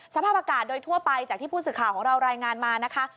สภาพอากาศโดยทั่วไปจากที่ผู้สื่อข่าวของเรารายงานมานะคะ